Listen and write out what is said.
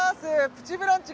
「プチブランチ」